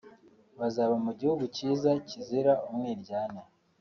bazaba mu gihugu cyiza kizira umwiryane”